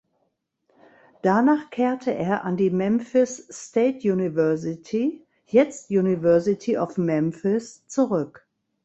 Danach kehrte er an die Memphis State University (jetzt University of Memphis) zurück.